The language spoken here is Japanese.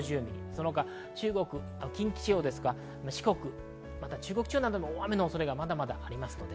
その他、近畿地方ですとか、四国、中国地方などにも大雨の恐れがまだまだあります。